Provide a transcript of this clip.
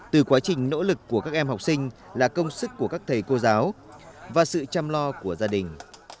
từ quá trình nỗ lực của các em học sinh là công sức của các thầy cô giáo và sự chăm lo của gia đình